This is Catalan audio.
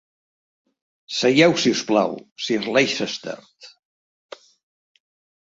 Seieu si us plau, Sir Leicester.